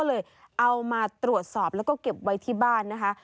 ก็เลยเอามาตรวจสอบแล้วก็เก็บไว้ที่บ้านนะคะ